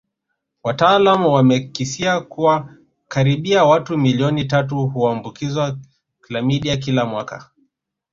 Wataalamu wamekisia kuwa karibia watu milioni tatu huambukizwa klamidia kila mwaka